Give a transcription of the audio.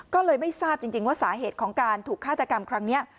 ก็เลยไม่ทราบจริงว่าสาเหตุของการถูกฆาตกรรมครั้งนี้